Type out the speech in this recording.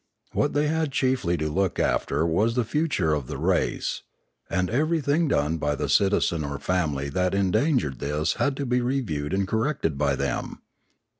What they had chiefly to look after was the future of the race; and everything done by the citizen or the family that endangered this had to be reviewed and corrected by them.